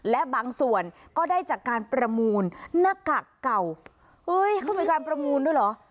และบางส่วนก็ได้จากการประมูลหน้ากากเก่าเฮ้ยเขามีการประมูลด้วยเหรอ